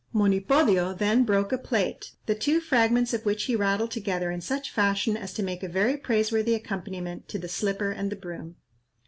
Monipodio then broke a plate, the two fragments of which he rattled together in such fashion as to make a very praiseworthy accompaniment to the slipper and the broom.